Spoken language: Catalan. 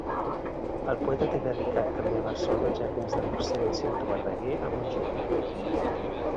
El poeta té dedicat també a Barcelona els jardins de Mossèn Cinto Verdaguer, a Montjuïc.